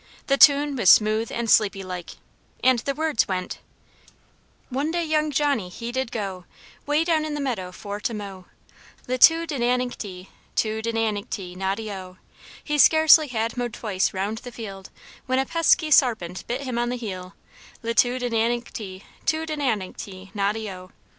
The tune was smooth and sleepy like and the words went: "One day young Johnny, he did go, Way down in the meadow for to mow. Li tu di nan incty, tu di nan incty, noddy O! He scarce had mowed twice round the field, When a pesky sarpent bit him on the heel, Li tu di nan incty, tu di nan incty, noddy O!